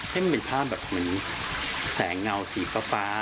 มันเป็นภาพแบบเหมือนแสงเงาสีฟ้า